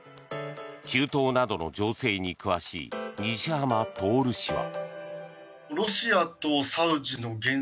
中東などの情勢に詳しい西濱徹氏は。